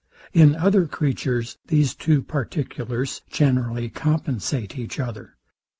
In other creatures these two particulars generally compensate each other.